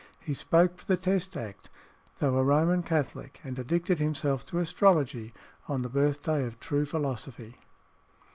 He spoke for the Test Act, though a Roman Catholic, and addicted himself to astrology on the birthday of true philosophy."